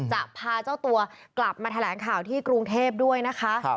จะพาเจ้าตัวกลับมาแถลงข่าวที่กรุงเทพด้วยนะคะ